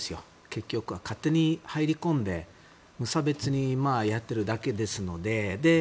結局は、勝手に入り込んで無差別にやってるだけですので。